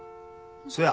せや。